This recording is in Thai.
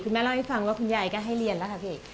แม่เล่าให้ฟังว่าคุณยายก็ให้เรียนแล้วค่ะพี่